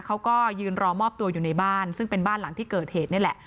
เขาก็ยืนรอมอบตัวอยู่ในบ้านซึ่งเป็นบ้านหลังที่เกิดเหตุนี่แหละ